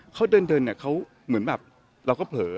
เขาเดินเนี่ยเขาเหมือนแบบเราก็เผลอ